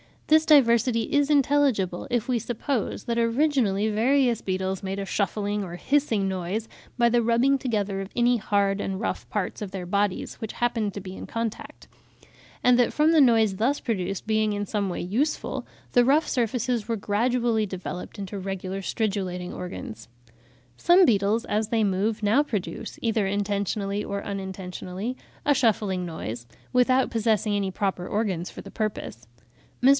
This diversity is intelligible, if we suppose that originally various beetles made a shuffling or hissing noise by the rubbing together of any hard and rough parts of their bodies, which happened to be in contact; and that from the noise thus produced being in some way useful, the rough surfaces were gradually developed into regular stridulating organs. Some beetles as they move, now produce, either intentionally or unintentionally, a shuffling noise, without possessing any proper organs for the purpose. Mr.